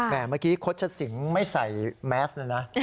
แต่เมื่อกี้คตชศิงไม่ใส่แมสน์เลยนะ